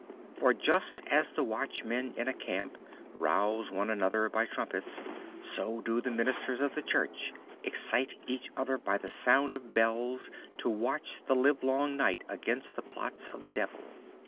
For just as the watchmen in a camp rouse one another by trumpets, so do the Ministers of the Church excite each other by the sound of bells to watch the livelong night against the plots of the Devil.